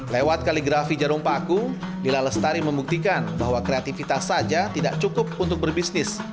lewat kaligrafi jarum paku lila lestari membuktikan bahwa kreativitas saja tidak cukup untuk berbisnis